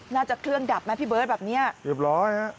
น่าจะเครื่องดับไหมพี่เบิร์ตแบบเนี้ยเรียบร้อยฮะ